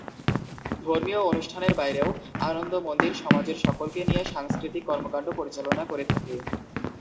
ধর্মীয় অনুষ্ঠানের বাইরেও আনন্দ মন্দির সমাজের সকলকে নিয়ে সাংস্কৃতিক কর্মকাণ্ড পরিচালনা করে থাকে।